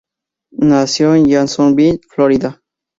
Nació en Jacksonville, Florida.